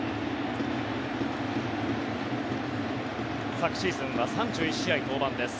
昨シーズンは３１試合登板です。